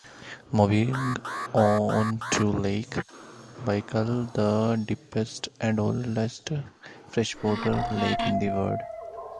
Moving on to Lake Baikal, the deepest and oldest freshwater lake in the world.